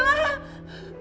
bella kamu dimana bella